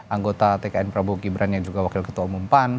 anggota tkn prabowo gibran yang juga wakil ketua umum pan